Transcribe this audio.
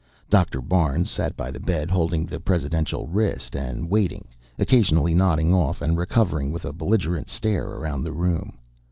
Dr. Barnes sat by the bed holding the presidential wrist and waiting, occasionally nodding off and recovering with a belligerent stare around the room.